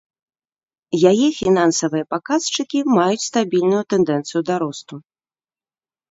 Яе фінансавыя паказчыкі маюць стабільную тэндэнцыю да росту.